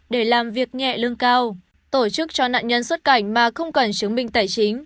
để làm việc nhẹ lương cao tổ chức cho nạn nhân xuất cảnh mà không cần chứng minh tài chính